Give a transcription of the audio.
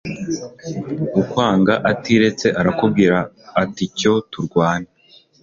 ukwanga atiretse arakubwira ati cyo turwane